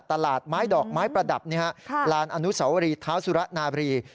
ตลาดไม้ดอกไม้ประดับลานอนุสวรีเท้าสุระนาบรี